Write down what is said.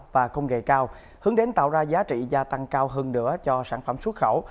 và công nghệ cao hướng đến tạo ra giá trị gia tăng cao hơn nữa cho sản phẩm xuất khẩu